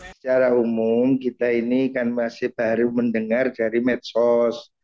secara umum kita ini kan masih baru mendengar dari medsos